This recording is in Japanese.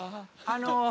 あの。